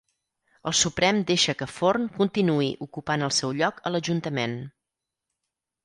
El Suprem deixa que Forn continuï ocupant el seu lloc a l'ajuntament